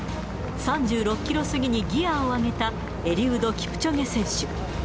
３６キロ過ぎにギアを上げた、エリウド・キプチョゲ選手。